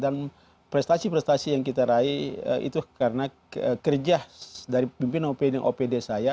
dan prestasi prestasi yang kita raih itu karena kerja dari pimpinan opd saya